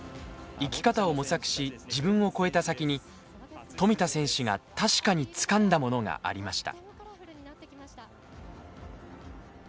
生き方を模索し自分を超えた先に富田選手が確かにつかんだものがありました